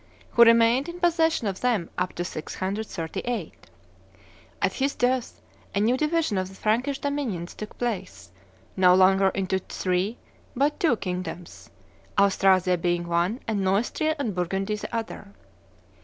who remained in possession of them up to 638. At his death a new division of the Frankish dominions took place, no longer into three but two kingdoms, Austrasia being one, and Neustria and Burgundy the other.